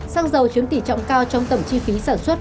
sông dầu chiếm tỷ trọng cao trong tầm chi phí sản xuất